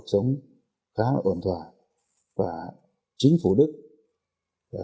trong thế giới ngoài châu á